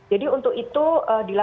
jadi untuk itu dibuat